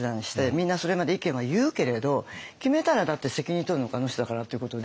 みんなそれまで意見は言うけれど決めたらだって責任取るのあの人だからっていうことで。